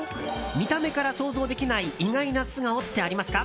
見た目から想像できない意外な素顔ってありますか？